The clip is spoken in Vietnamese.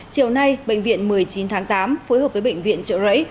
chiều nay bệnh viện một mươi chín tháng tám phối hợp với bệnh viện trợ rẫy